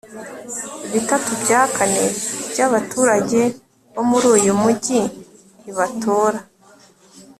bitatu bya kane byabaturage bo muri uyu mujyi ntibatora